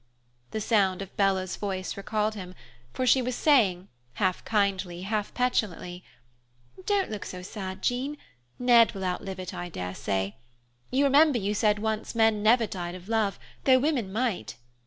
The sound of Bella's voice recalled him, for she was saying, half kindly, half petulantly, "Don't look so sad, Jean. Ned will outlive it, I dare say. You remember you said once men never died of love, though women might.